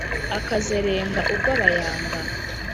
akazarenga urwa bayanga.